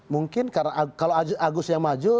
mungkin kalau agus yang maju